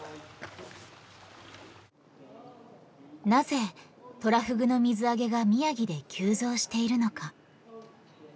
なぜトラフグの水揚げが宮城で急増しているのか。